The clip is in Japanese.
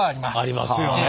ありますよね？